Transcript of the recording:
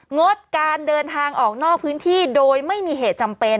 งดการเดินทางออกนอกพื้นที่โดยไม่มีเหตุจำเป็น